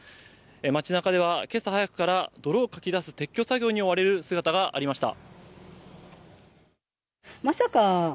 町中では今朝早くから泥をかき出す撤去作業に追われる姿がありました。